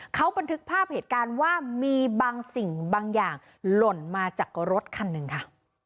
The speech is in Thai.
เขาบันทึกภาพเหตุการณ์ว่ามีบางสิ่งบางอย่างหล่นมาจากรถคันหนึ่งค่ะ